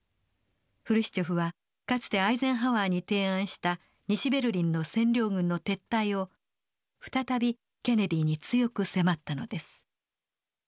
フルシチョフはかつてアイゼンハワーに提案した西ベルリンの占領軍の撤退を再びケネディに強く迫ったのです。